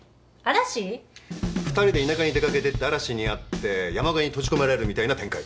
２人で田舎に出掛けてって嵐に遭って山小屋に閉じ込められるみたいな展開。